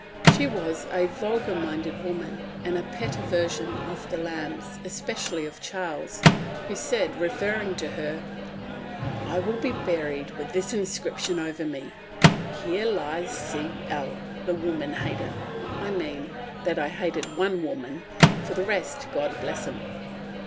She was a vulgar minded woman, and a pet aversion of the Lambs, especially of Charles, who said, referring to her, "I will be buried with this inscription over me, 'Here lies C. L., the woman hater'—I mean, that hated one woman; for the rest, God bless 'em."